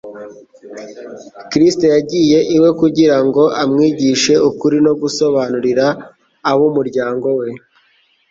Kristo yagiye iwe kugira ngo amwigishe ukuri no gusobanurira ab'umuryango we